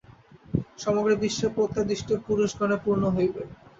সমগ্র বিশ্ব প্রত্যাদিষ্ট পুরুষগণে পূর্ণ হইবে।